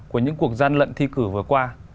của những cuộc gian lận thi cử vừa qua